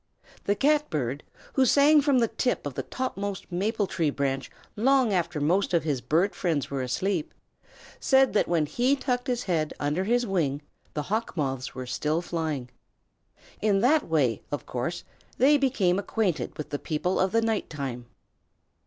The Catbird, who sang from the tip of the topmost maple tree branch long after most of his bird friends were asleep, said that when he tucked his head under his wing the Hawk Moths were still flying. In that way, of course, they became acquainted with the people of the night time.